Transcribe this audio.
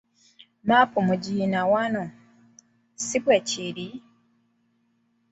Map mugirina wano, si bwe kiri?